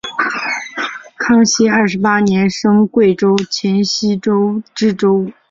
康熙二十八年升贵州黔西州知州。